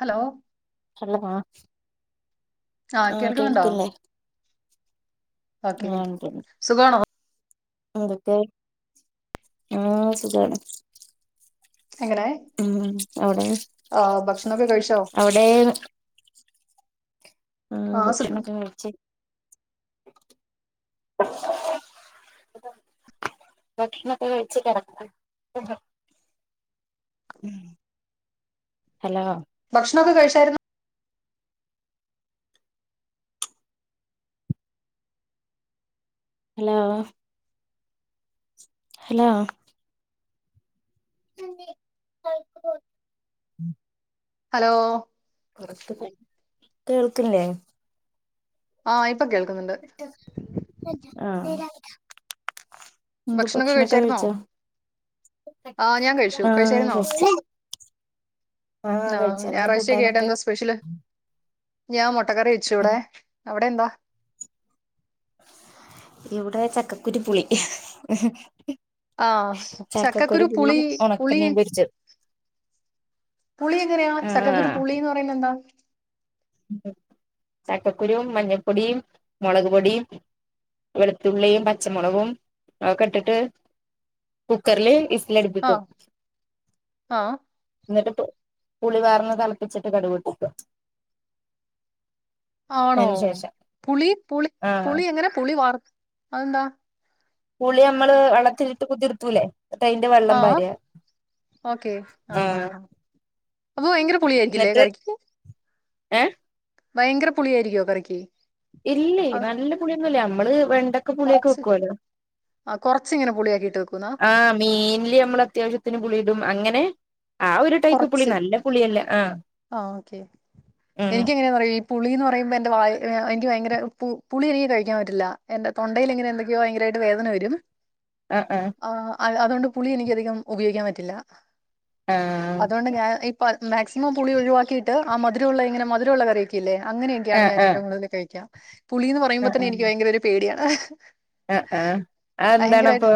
Hello അല്ലവാ ആ കേൾക്കുന്നുണ്ടോ ഓക്കെ ആ ഉണ്ട്ണ്ട് സുഖവാണോ എന്തൊക്കെ ആ സുഖാണ് എങ്ങനെ ഉം അവിടെ ആഹ് ഭക്ഷണൊക്കെ കഴിച്ചോ അവിടേന്ന് ഉം ആഹ് സുഖം ഭക്ഷണൊക്കെ കഴിച്ച് ഭക്ഷണം ഒക്കെ കഴിച്ച് കിടക്കാ ഹലോ ഭക്ഷണൊക്കെ കഴിച്ചായിരുന്നു ഹലോ ഹലോ [unintelligible] ഹലോ പുറത്ത് കേൾക്ക്ല്ലേ ആഹ് ഇപ്പൊ കേൾക്കുന്നുണ്ട് ആ എന്ത് ഭക്ഷണൊക്കെ കഴിച്ചായിരുന്നോ കഴിച്ചോ ആ ഞാൻ കഴിച്ചു ആ കഴിച്ചായിരുന്നോ കഴിച്ച് ആ കഴിച്ച് എന്താ ഞായറാഴ്ചക്കെ യായിട്ട് കൂട്ടാനൊക്കെ എന്താ സ്പെഷ്യല് ഞാൻ മൊ മുട്ട കറി വെച്ചൂടെ അവിടെ എന്താ ഇവിടെ ചക്കക്കുരു പുളി ആഹ ചക്കക്കുരു പുളി പുളിെ പുളി എങ്ങറെയാ ആ ചക്കക്കരു പുളിന്ന് പറയുന്നത് എന്താ ചക്കക്കുരുയും മഞ്ഞപ്പൊടിയും മുളക് പൊടിയും വെളുത്തുള്ളും പച്ചമുളകും ഒക്കെ ഇട്ടിട്ട് കുക്കറിില് ലടിപ്പിക്കും ആഹ് ആഹ് എന്നിട്ട് പുളി വർന്ന് തിളപ്പിച്ചിട്ട് കടുപെട്ടിിക്ക ആണോ അതിന് ശേഷം പുളി പുളി ആഹ് പുളി എങ്ങനെ പുളി വാർ ആന്താ കൂളി നമ്മള് വളത്തിലിട്ട് കുതിർത്തൂല്ലേ ആഹ ഓക്കെ ആഹ ആഹ് ഹഹ് അ ഭയങ്കര- പുളിച്ചേർക്കില്ലേ കറിക്കു? ഏ ഭയങ്കര പുളിയായിരിക്കുവോ കറിക്ക് ഇല്ലേ അത് നല്ല പുളിയൊന്നുംല്ലേ നമ്മള് വെണ്ടക്ക പുളിയൊക്കെ കൊറച്ച് വെക്കുവല്ലോ ആ കൊറച്ചിങ്ങനെ പുളിയാക്കിയിട്ട് വെക്കൂന്നാ ആഹ മീനിൽ നമ്മൾ അത്യാവശ്യത്തിന് പുളി ഇടും അങ്ങനെ- ആ ഒരു ടൈപ്പ് പുളി കുറച്ച് നല്ല പുളിയല്ല ആഹ് ആ ഓക്കെ ഉം എനിക്ക് എങ്ങനെയ പറ ഈ പുളിന്ന് പറയുമ്പോ എന്റെ എനിക്ക് ഭയങ്കര പുളി എനിക്ക് കഴിക്കാൻ പറ്റില്ല എന്റെറെ തൊണ്ടയിൽ ഇങ്ങെ എന്തൊക്കെയോ ഭയങ്കരമായിട്ട് വേദന വരും ആ ആ അതുകൊണ്ട് പുളി എനിക്ക് അധികം ഉപയോഗിക്കാൻ പറ്റില്ല ആഹ അതുകൊണ്ട് ഞാൻ ഇപ്പ മാക്സിമം പുളി ഒഴിവാക്കിയിട്ട് ആ മധുരമുള്ള കറി ഒക്കെ അല്ലേ അങ്ങനെയൊക്കെയാണ് ആഹ് ഞാൻഏറ്റവും കൂടുതൽ കഴിക്കാം പുളിന്ന് പറയ്പോൾ തന്നെ എനി ഭയങ്കര ഒരു പേടാണ് ആഹ് ആഹ ആഹ അ എന്താണ അപ്പൊ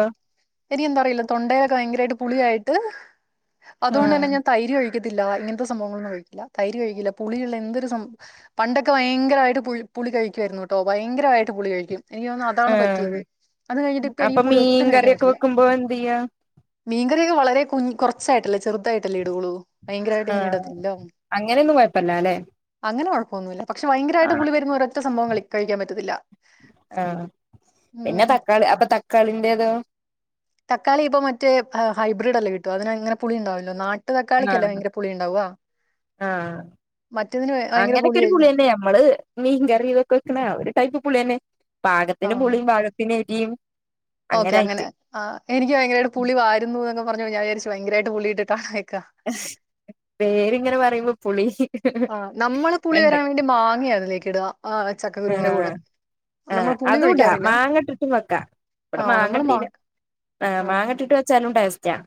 എരി എന്താ പറയില്ല തൊണ്ടയൊക്കെ ഭയങ്കരമായിട്ട് പുളിയായിട്ട്- അതുകൊണ്ട് ആഹ തന്നെ ഞാൻ തൈര് കഴിക്കത്തില്ല ഇങ്ങനത്തെ സംഭവങ്ങളൊന്നും കഴിക്കില്ല തൈര് കഴിക്കില്ല പുളിയുള്ള എന്തൊരു പണ്ടൊക്കെ ഭയങ്കരമായിട്ട് പുളി കഴിക്കുായിരുന്നു കേട്ടോ ഭയങ്കരമായിട്ട് പുളി കഴിക്കും എനിക്ക് അതാണ് ആഹ് പറ്റിയത് അന്ന് കഴിഞ്ഞിട്ട് ഇപ്പ അപ്പൊ എനിക്ക് പുളി മീൻ ഒട്ടും കഴിക്കാൻ കറിയൊക്കെ പറ്റില്ല വെക്കുമ്പോ എന്ത് ചെയ്യാ മീൻകറിയൊക്കെ വളരെ കുറച്ചായിട്ടല്ലേ ചെറു- ട്ടല്ല ഇടു്ള് [inaudible] ആഹ അങ്ങനെയൊന്നും കുഴപ്പില്ല അല്ലെ പോന്നുന്നില്ല പക്ഷ ഭയങ്കരമായിട്ട് പുളി വരുന്ന സംഭവങ്ങൾ കഴിക്കാൻ പറ്റത്തില്ല ആഹ പിന്നെ ഉം തക്കാളി തക്കാളിന്റെതൊ തക്കാളി ഇപ്പൊ മറ്റ ഹൈബ്രിഡ് അല്ലേ കിട്ട അതിനെങ്ങനെ പുളി ഉണ്ടാവല്ലോ നാട്ട ആ മറ്റേതിന് ഭയങ്കര അങ്ങനൊക്കെ ഒരു പുളി പുളിയായിരുന്നു തന്നെ നമ്മള് മീൻകറി ഇതൊക്കെ വെക്കണ ഒരു ടൈപ്പ് പുളി തന്നെ ആ പാകത്തിന്പുളിയും പാകത്തിന് [inaudible] ഓക്കെ അങ്ങനെ അങ്ങനായിട്ട് ആ എനിക്ക് പുളിയിരുന്നു എന്നൊക്കെ പറഞ്ഞ ഞാൻവിചാരിച്ചു ഭയങ്കരമായിട്ട് പുളിയിട്ട് കറി പേരിങ്ങനെ പറയുമ്പോ- പുളി [inaudible] ആ നമ്മള് പുളി വരാൻ വേണ്ടി മാങ്ങിയ അതിലേക്ക് ഇടുക ആ ആ ചക്കക്കുരുവിന്റെ കൂടെ ആ നമ്മൾ പുളി അതൂടാ ഒഴിക്കാറില്ല മാങ്ങട്ടിട്ടും വെക്കാ ആ ഇവിടെ നമ്മള് മാങ്ങട്ട മാ ആ് ആ മാങ്ങട്ടിട്ട് വെച്ചാലും ടേസ്റ്റ് റ്റ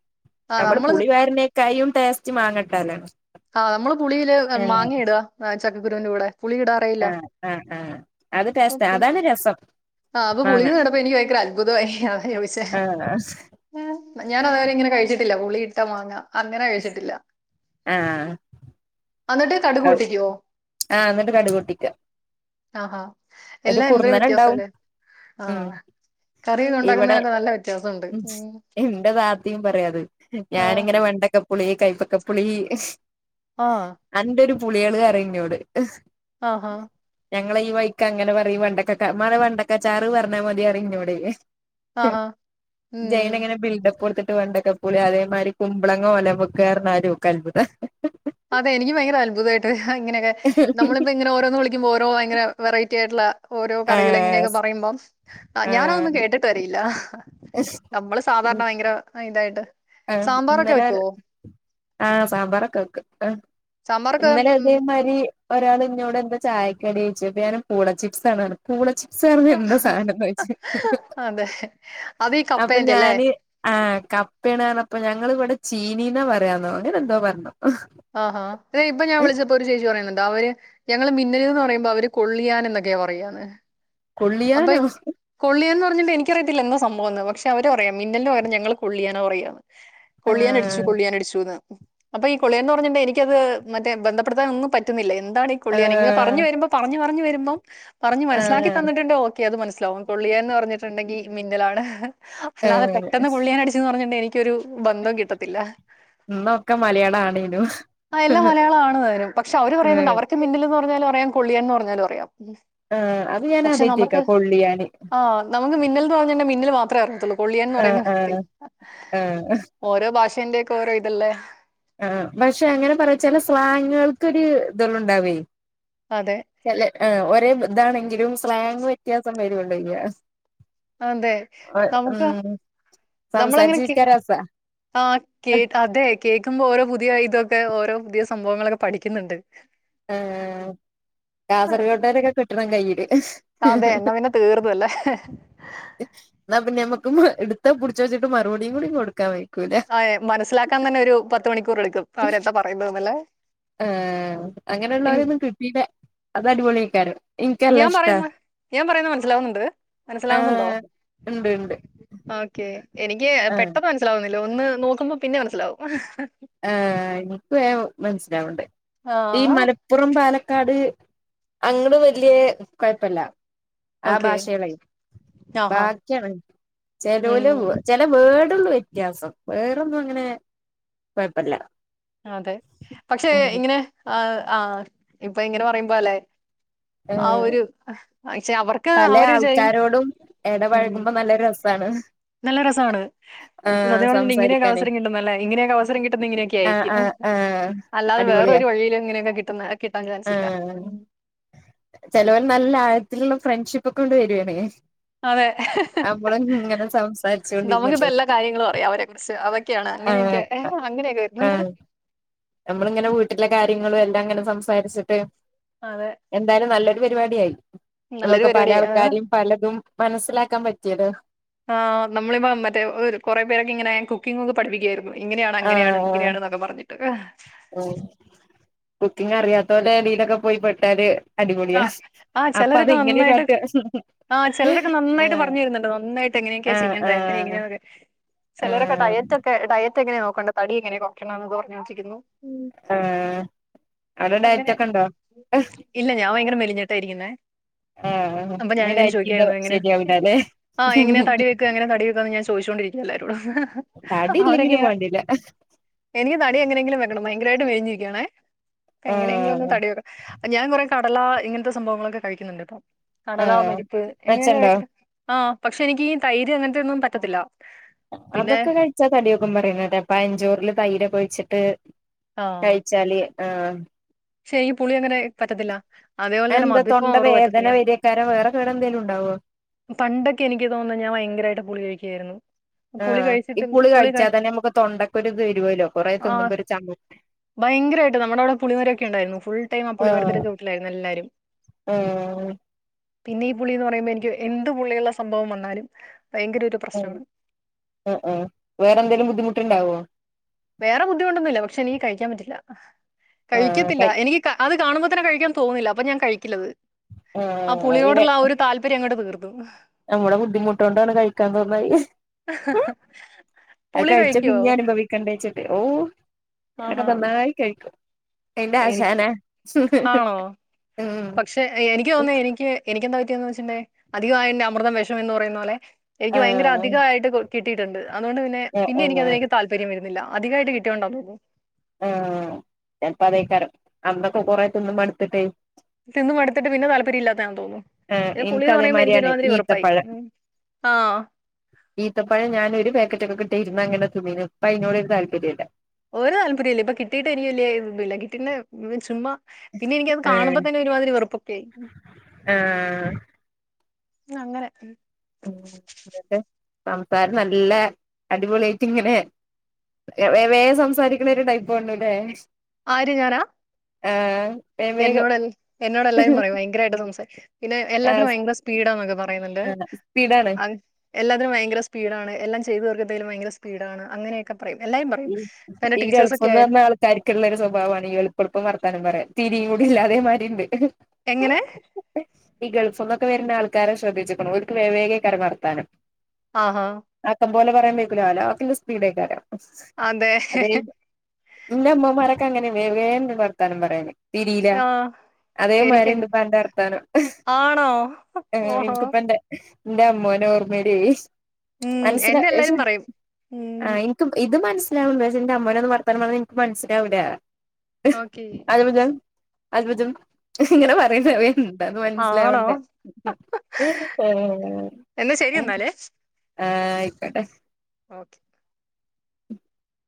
നമ്മള് പുളി പാരുന്നേക്കായും ടേസ്റ്റും മാങ്ങക്കാ അ [unintelligible] ആ നമ്മള് പുളിയില് മാങ്ങിയിടുക ചക്കക്കുരുവിറെ കൂടെ പുളി ഇടാറേയില്ല ആഹ് ആഹ് ആഹ് അത് ടേസ്റ്റ് അതാണ് രസം ആ അപ്പൊ പുളി മാങ്ങ നടപ്പ എനിക്ക് ഭയങ്കര അത്ഭുതമായി അതാചോദിച്ച ആഹ് ഞാന അതുവരെങ്ങെ കഴിച്ചു പുളിയിട്ട മാങ്ങ അങ്ങനെ കഴിച്ചിട്ടില്ല ആ എന്നിട്ട് കടുക് പൊട്ടിക്കുവോ ആ എന്നിട്ട് കടക് പൊട്ടിക്ക ആ ഹാ ഒരു കുർന്നന ഉണ്ടാവും ആ ഉം കറി ഇവിടെ ഉണ്ടാക്കുന്നതിനൊക്കെ നല്ല വ്യത്യാസമുണ്ട് ഉ ഉം എന്റെ താത്തിയും പറയാത് ആഹ് ഞാാനിങ്ങനെ വെണ്ടക്ക പുളി കൈപ്പക്കപുളി അന്റെ ഒരു പുളികള് പറയും എന്നോട് ആ ആ ങ്ങളെ ഈ വഴി അങ്ങനെ പറ വണ്ടക്കക്ക മളെ വണ്ടക്കച്ചാറ് പറഞ്ഞാ മതി പറയും നിന്നോട ആഹാ ഉം ജൈന എങ്ങനെ ബിൽഡപ്പ്ടുത്തി പട്ട് വണ്ടക്കപ്പൂലെ അതേമാതിരി കുമ്പളങ്ങോ ഓലം വെക്കാന്ന് പറഞ്ഞാലും അത്ഭുതം അതെ എനിക്ക് ഭയങ്കര അത്ഭുതമായിട്ടത് അങ്ങനൊക്കെ നമ്മളിപ്പോ ഇങ്ങന ഓരോന്ന് വിളിക്കുമ്പോ ഓരോ ഭയങ്കര വെറൈറ്റി ആയിട്ടുള്ള ഓരോ കറികളൾ ആഹ് ഇങ്ങനെയൊക്കെ പറയുമ്പോം ആ ഞാനാൊന്നും ആഹ് കേട്ടിട്ട് അറിയില്ല നമ്മള് സാധാരണ ഭയങ്കര ഇതായിട്ട് ആ സാമ്പാറൊക്കെ ഇന്നലെ വെക്കുവോ ആ സാമ്പാറൊക്കെ വക്കും ആ സാമ്പാറൊക്കെ ഇന്നാലെ ഉം അതേ മാരി ഒരാൾ ഇന്നോട് ന്താ ചായക്ക കടി ഞൻ പൂള ചിപ്സാണ്ണ് പൂളചിപ് സാർന്ന് എന്താ സാധനംന്ന് വോച്ച അതെ അത് ഈ അപ്പൊ കപ്പേന്റെ അല്ലേ ഞാന് ആകപ്പ കപ്പ പറഞ്ഞപ്പോ ഞങ്ങിവിടെ ചീനീന്നാ പറയാന്നോ അങ്ങനെഎന്തോ പറഞ്ഞോ ആഹാ അതെ ഇപ്പൊ ഞാൻ വിളിച്ചപ്പോൊ ഒരു ചേച്ചി പറയുന്നുണ്ട് അവര് ഞങ്ങള്ൾ മിന്നല എന്ന് പറയുമ്പോ അവര് കൊള്ളിയാൻ എന്നൊക്കെ പറയാണ് കൊള്ളിയാനോ പറഞ്ഞട്ടണ്ട് എനിക്കറിയത്തില്ലോ സംഭവ എന്ന് പക്ഷ അവ അിയാം മിന്നലും വരെ ഞങ്ങൾ കൊള്ളിയാനോ പറയാ കൊള്ളിയാൻ അടിച്ചു ആഹ് കൊള്ളിയാൻ അടിച്ചുന്ന് അപ്പൊ ഈ കുളിയന്ന് പറഞ്ഞിട്ടണ്ട് എനിക്കത് മറ്റേ ബന്ധപ്പെടുത്താൻ ഒന്നും പറ്റുന്നില്ല എന്താണ് കൊള്ളിയൻ ആഹ് പറഞ്ഞ് വരുമ്പോ പറഞ്ഞ്പറഞ്ഞ് എന്ന പറഞ്ഞു മനസ്സിലാക്കി ആഹ് തന്നിട്ട ഓക്കെ അത് മനസ്സിലാവും കൊള്ളിയന്ന് പറഞ്ഞിട്ടുണ്ടെങ്കി മിന്നലാണ് അല്ലാതെ ആഹ് പെട്ടന്ന് പൊള്ളിയാൻ അടിച്ചുെന്ന് പറഞ്ഞിട്ടണ്ടയി എനിക്കൊരു ബന്ധം കിട്ടത്തില്ലാ ഇന്നൊക്കെ മലയാളാണേനു എല്ലാം മലയാളമാണ് പക്ഷേ അവര് പറയുന്നുണ്ട് ആഹ് [unintelligible] പറഞ്ഞാല അറിയാം കുള്ളിയാന്ന് പറഞ്ഞാലും അറിയാം ആ അ ഇത് ഞാൻ ആദ്യമായിട്ട് കേൾക്കുക കൊള്ളിയാൻ നമക്ക് മിന്നിൽന്ന് പറഞ്ഞാൽ മന്നിൽ മാത്രേ അറിയത്തുള്ളൂ കൊള്ളിയന്ന് ആഹ് പറയുന്ന ആഹ് ആഹ് ഓരോ ഭാവഷന്റെ കോരോ ഇതല്ലേ ആ പക്ഷെ അങ്ങനെ പറച്ചാല സ്ലാങ്കുകൾക്ക് ഒരു ഇതെള്ള ഉണ്ടാവേ അതെ ഒരേ ഇതാണെങ്കിലും സ്ലാങ് വ്യത്യാസം വേര് കൊണ്ടിങ്ങ അതെ നമുക്ക് നമ്മളങ്ങനെ സംസാരിച്ചിരിക്കാൻ രസാ ആ അതെ കേ ക്കുമ്പോ ഓരോ പുതിയ ഇതൊക്കെ ഓരോ പുതിയ സംഭവങ്ങളൊക്കെ പഠിക്കുന്നണ്ട് ആ ആയി. കാസർകോട്ടേരൊക്കെ കിട്ടണം കയ്യില് അതെ എന്നാ പിന്നെ തീർന്നല്ലേ എന്നാ പിന്നെ നമ്മക്ക് എടുത്താ പിടിച്ചോച്ചിട്ട്മറുപടിയും കൂടി കൊടു- അ മനസ്സിലാക്കാൻ തന്നെ ഒരു പത്ത് മണിക്കൂർ എടുക്കും അവരന്താ പറയുന്നതല്ലേ ആ അങ്ങനെയുള്ളവരൊന്നും കിട്ടീട്ട് അത് അടിപൊളിയയ്ക്കാരം ഞാൻ പറയുന്ന ഞാൻ പറയുന്ന മനസ്സിലാവുന്നുണ്ട് മനസ്സിലാവുന്നുണ്ടോ ആഹ് ഇണ്ട് ഇണ്ട് ഓക്കെ എനിക്ക് ആഹ് പെട്ടെന്ന് മനസ്സിലാവുന്ന ല്ല ഒന്ന് നോക്കുമ്പോ പിന്നെ മനസ്സിലാവും ആ എനിക്ക് വേം മനസ്സിലാവ്ണ്ട് ആ ഈ മലപ്പുറം പാലക്കാ- ക്കാട് അങ്ങട് വല്യ കുഴപ്പല്ല ആ ഓക്കെ ഭാഷേള് ആഹാ ബാക്കിയാണ് ചെലോല് ഉം ചെല വേ ള്ളൂ വ്യത്യാസം വേറൊന്നും അങ്ങനെ കൊഴപ്പല്ല അതെ പക്ഷെ ഉം ഇങ്ങനെ ആ ആഹ് ഇപ്പൊ ഇങ്ങനെ പറയുമ്പോ ല്ലെ ആ ഒരു പക്ഷെ അവർക്ക് പലേ അവര് വിചാരിക്കും ആൾക്കാരോടും ഉം എടപഴകുമ്പ നല്ല രസാണ് നല്ല രസവാണ് ആഹ് സത്ത്യ പറഞ്ഞ് ഇങ്ങനെയൊക്കെ സംസാരിക്കാന് അവസരം കിട്ടുന്നല്ലേ ഇങ്ങനെയൊക്കെ അവസരം കിട്ടുന്ന ഇങ്ങനെയൊക്കെ ആഹ് ആയിരിക്കും ആഹ് ആഹ് അല്ലാതെ അടിപൊളിയാ വേറരു വഴിയിലും ഇങ്ങനെയൊക്കെ കിട്ടുന്ന കിട്ടാൻ ചാൻസില്ല ആഹ് ചെലോല് നല്ല ആഴത്തിലുള്ള ഫ്രണ്ട്ഷിപ്പ് ഒക്കെ ടെ വരുവാണേ അതെ നമ്മള് ഇങ്ങനെ നമുക്കിപ്പോ സംസാരിച്ചോണ്ടിരുന്നിട്ട് എല്ലാ കാര്യങ്ങളും അറിയാം അവരെ കുറിച്ച് അതൊക്കെയാണ് ആഹ് അങ്ങനെയൊക്കെഏ അങ്ങനെയൊക്കെ വരുന്നുണ്ട് നമ്മള് ഇങ്ങനെ വീട്ടിലെ കാര്യങ്ങളും എല്ലാം ഇങ്ങനെ സംസാരിച്ചിട്ട് അതെ എന്തായാലും നല്ല ഒരു പരിപാടിയായി നല്ലൊരു നമുക്ക് പല പരിപാടിയാ ആൾക്കാരും പലതും മനസ്സിലാക്കാൻ പറ്റിയത് ആ നമ്മളിപ്പ മറ്റേ കുറെേ പേരൊക്കെ ഇങ്ങനെ കുക്കിംഗ് ഒക്കെ പഠിപ്പിക്കുയായിരുന്നു ഇങ്ങനെയാണ് അങ്ങനെയാണ് ആഹ് ഇങ്ങനെയാണ എന്നൊക്കെ പറഞ്ഞിട്ട് ടേ തീലൊക്കെ പോയി പെട്ടാല് അടിപൊളിയാ ആഹ് ആ അപ്പൊ അത് ചിലരൊക്കെ ഇങ്ങനെ നന്നായിട്ട് കാട്ടാ ആ ചിലരൊക്കെ നന്നായിട്ട് ആഹ് പറഞ്ഞു തരുന്നുണ്ട് നന്നായിട്ട് എങ്ങനെയൊക്കെയാ ആഹ് ചെയ്യണ്ടങ്ങന ആഹ് എങ്ങനെയക്കെ ചിലരൊക്കെ ആഹ് ഡയറ്റ് ഒക്കെ ഡയറ്റ് എങ്ങനെ നോക്കണ്ട തടി എങ്ങനെ കുറക്കണം എന്ന് പറഞൊണ്ടിരിക്കുന്നു ആഅവിടെ ഡയറ്റ് അങ്ങനെ ഒക്കെ ണ്ടോ ഇല്ല ഞാൻ ഭയങ്കര മെലിട്ടായിരിക്കുന്നേ അപ്പൊ ഇനി ഞാനിങ്ങനെ ഡയറ്റ് ചെയ്താ ചോയ്ക്കായിരുന്നു എങ്ങനെ ശരിയാവൂലല്ലേ ആ എങ്ങനെയാ തടി വെക്ക എങ്ങന തടി വെക്കന്ന് ഞാൻ ചോദിച്ചോണ്ടിരിക്കല്ലാരോട തടി ഇല്ലെങ്കിലും വേണ്ടില്ല എനിക്ക് തടി എങ്ങനെയെങ്കിലും വെക്കണം ഭയങ്കരമായിട്ട് [unintelligible] എങ്ങനെയെങ്കിലും ഒന്ന് ആഹ് തടി കൊയണം കടല ഇങ്ങനത്തെ സംഭവങ്ങളൊക്കെ കഴിക്കുന്നുണ്ട്ട്ടോ കടലോ ആഹ് പരിപ്പ് എങ്ങനെ മെച്ചണ്ടോ കഴിച്ച ആ പക്ഷെ എനിക്ക് ഈ തൈര്ംങ്ങനെയൊന്നും പറ്റത്തില്ല പിന്നെ അതൊക്കെ കഴിച്ചാ തടിയൊക്കെ പറയുന്ന പയഞ്ചോറില് തൈര് ഒഴിച്ച് [unintelligible] ആഹ് കഴിച്ചാല് ആ [unintelligible] പുളി അങ്ങനെ പറ്റത്തില്ല അതേപോലെ തന്നെ എന്താ തൊണ്ട മധുറോവർ വേദന പറ്റത്തില്ല വരേക്കാരം വേറെ കേടെന്തേലും ഉണ്ടാവോ പണ്ടൊക്കെ എനിക്ക് തോന്നുന്നു ഞാൻ ഭയങ്കരമായിട്ട് പുളി [unintelligible] [unintelligible] ആ ഈ കഴിച്ചിട്ട് പുളി കഴി കഴിച്ചാൽ തന്നെ നമുക്ക് തൊണ്ടക്കൊ ഒരു ഇത് തരുവല്ലോ കൊറെേ ആ തിുമ്പൊ ഒരു ച ഭയങ്കരമായിട്ട് നമ്മുടെ അവിടെ പുളിമരൊക്കെ ഉണ്ടായിരുന്നു ഫുൾ ടൈം ആ ആഹ് പുളിമരത്തിലൊക്കെ വീട്ടിലായിരുന്നു എല്ലാരും ആഹ് പിന്നെ ഈ പുള്ളിന്ന് പറയുമ്പോ എനിക്ക് എന്ത്തു പുള്ളിയുള്ള സംഭവം വന്നാലും ഭയങ്കര ഒരു മ് പ്രശ്നമാണ് മ് മ് വേറെന്തെങ്കലും ബുദ്ധിമുട്ട്ുണ്ടാവോ വേറെ ബുദ്ധിമുണ്ടൊന്നുമില്ല പക്ഷെ എനിീ കഴിക്കാൻ പറ്റില്ല ആഹ് കഴിക്കത്തില്ല കൈ എനിക്ക് ക അത് കാണുമ്പോ തന്നെ കഴിക്കൻ തോുന്നില്ല അപ്പ ഞാൻ കഴിക്കില്ല ആ ആഹ് അത് ലെ പുളിയോടുള്ള ആ ഒരു താല്പര്യം അങ്ങോട്ട് തീർ [unintelligible] നമ്മുടെ ബുദ്ധിമുട്ടുകൊണ്ടാണ് കഴിക്കാ തോന്നത് [unintelligible] അത് പുളി കഴിച്ച കഴിക്കുവോ പിന്നെ അനുഭവിക്കണ്ടേ [unintelligible] [unintelligible] [unintelligible] എനി ആണോ ഉം പക്ഷെ എനിക്ക് തോന്ന എനിക്ക് എനിക്ക് എന്താ വെച്ചിണ്ടേ അധികം അൻന്റെ അമൃതം വിഷം എന്ന് പറയുന്ന പോലെ എനിക്ക് ഭയങ്കര ആഹ് അധികയിട്ട് കിട്ടിയിട്ടുണ്ട് അതൊണ്ട് പിന്നെ പിന്നെ ആഹ് എനി ആഹ് അതിലക്ക് താല്പര്യം [unintelligible] അദികായിട്ട് കിട്ടിയോണ്ട ആചപ്പ അതേക്കാരം അന്തൊക്കെ കൊറെ മട്ത്തിട്ടേ തിന്നു മടുത്തിട്ട് പിന്നെ താല്പര്യം ഇല്ലാത്തെയാന്ന് തോന്നുന്നു പിന്നെ പുളി എനിക്ക് എന്ന് പറയുമ്പോ അതേമാതിരിയാണ് എനിക്കൊരുമാതിരി വെറുപ്പായി ഈത്തപ്പഴം ആ തരുന്ന അങ്ങനെ തുന്നീനു ഇപ്പ അയിനോടൊരു താല്പര്യയില്ല. ഓരു താല്പര്യയില്ല ഇപ്പൊ കിട്ടീട്ട് എനിക്ക് വല്യ [unintelligible] ചുമ്മാ പിന്നെ എനിക്കത് ഏഹ് കാണുമ്പോ തന്നെ ഒരുമാതിരി വെറുപ്പൊക്കെയായി ആഹ് അങ്ങനെ എന്നിട്ട് സംസാരം നല്ല അടിപൊളിയായിട്ട് ഇങ്ങനെ വ വേ സംസാരിക്കണ ഒരു ടൈപ്പാനുല്ലേ ആര് ഞാനാ ആ എന്നോടെല് എന്നോടെല്ലാരും പറയും ഭയങ്കരായിട്ട് സംസാരി പിന്നെ ആഹ് എല്ലാത്തിനും ഭയങ്കര സ്പീഡാന്നൊക്കെ പറയുന്നുണ്ട് സ്പീഡാണ് എല്ലാത്തിനും ഭയങ്കര സ്പീഡാണ് എല്ലാം ചെയ്തു തീർക്കുന്നതിലും ഭയങ്കര സ്പീഡാണ് അങ്ങനെയെക്കെ ഈ ഈ ഗൾഫ്ന്ന് ആയാലും വന്ന ആൾക്കാർക്കുള്ള ഒരു സ്വഭാവാണ് ഈ എൾപ്പ എൾപ്പം വർത്താനം പറയാൽ തിരിയും കൂടി ഇല്ല അതേമാതിരി ഇണ്ട് എങ്ങനേ ഈ ഗൾഫ്ന്നൊക്കെ വരുന്ന ആൾക്കാരെ ശ്രദ്ധിച്ച്ക്ക്‌ണോ ഓൽക്ക് വേഗം വേഗേകാരം വർത്താനം ആ ഹാ ഓലെ പറയാൻ വൈക്കൂല അലാക്കിന്റെ സ്പീഡയ്കരം അതെ അതേ നിന്റെമ്മമ്മാരാ അങ്ങനെ വേൻ വർത്താനം പറയാന് തിരൂല ആഹ് അതേമാരി എനിക്കങ്ങ് ഇണ്ട്പ്പം അന്റെ വർത്താനം ആണോ ഓഹോ എനിക്പ്പന്റെ എന്റെ അമ്മോനെ ഓർമ്മടീ ഉം മനസില എന്നെ എല്ലാരും [unintelligible] പറയും ആ ഉം ഇത് മനസ് ന്റെ അമ്മാനൊന്നും വർത്താനം പറഞ്ഞാ എനിക്ക് മനസിലാവുല്ലാ ഓക്കേയ് അൽബുദം ഇങ്ങനെ പറയുന്നവെന്താന്ന് ആണോ മനസിലാവണ്ടേ ഹേ എന്നാ ശരി എന്നാലേ ആയിക്കൊട്ടെ ഓക്കെ